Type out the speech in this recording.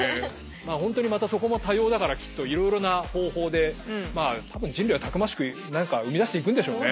まあ本当にまたそこも多様だからきっといろいろな方法でまあ多分人類はたくましく何か生み出していくんでしょうね。